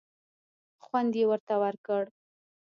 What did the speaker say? خوند یې ورته ورکړ.